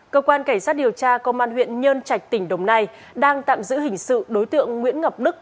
cơ quan cảnh sát điều tra công an huyện nhân trạch tỉnh đồng nai đang tạm giữ hình sự đối tượng nguyễn ngọc đức